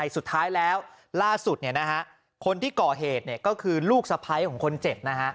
สุดท้ายแล้วล่าสุดคนที่ก่อเหตุก็คือลูกสะพ้ายของคนเจ็บ